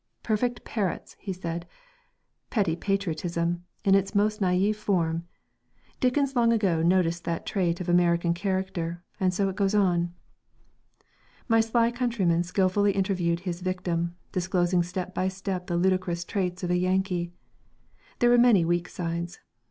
"Perfect parrots," he said. "Petty patriotism, in its most naïve form.... Dickens long ago noticed that trait of American character and so it goes on." My sly countryman skilfully interviewed his victim, disclosing step by step the ludicrous traits of a Yankee. There were many weak sides. Mr.